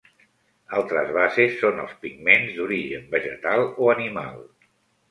Altres bases són els pigments d'origen vegetal o animal.